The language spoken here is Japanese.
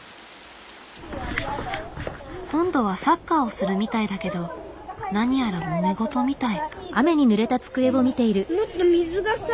今度はサッカーをするみたいだけど何やらもめごとみたい。